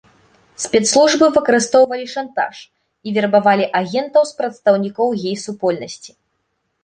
Спецслужбы выкарыстоўвалі шантаж і вербавалі агентаў з прадстаўнікоў гей-супольнасці.